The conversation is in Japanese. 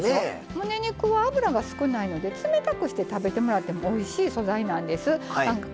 むね肉は脂が少ないので冷たくして食べてもらってもおいしい素材なんです。